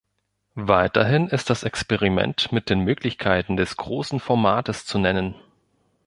Weiterhin ist das Experiment mit den Möglichkeiten des "großen Formates" zu nennen.